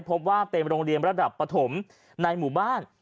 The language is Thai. พบว่าเป็นโรงเรียนระดับปฐมในหมู่บ้าน